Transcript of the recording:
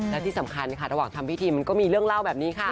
และที่สำคัญค่ะระหว่างทำพิธีมันก็มีเรื่องเล่าแบบนี้ค่ะ